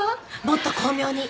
もっと巧妙に。